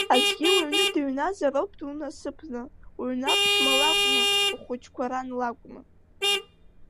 Аӡәгьы уҩны дыҩназароуп дунасыԥны, уҩны аԥшәма лакәны, ухәыҷқәа ран лакәны!